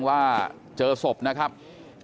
กลุ่มตัวเชียงใหม่